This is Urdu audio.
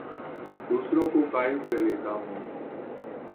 دوسروں کو قائل کر لیتا ہوں